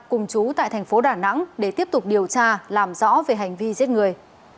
cùng chú tại thành phố đà nẵng để tiếp tục điều tra làm rõ về hành vi giết người